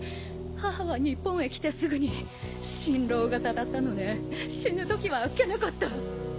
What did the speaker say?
母は日本へ来てすぐに心労がたたったのね死ぬ時はあっけなかった。